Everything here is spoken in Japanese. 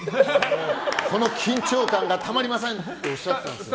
この緊張感がたまりませんっておっしゃってて。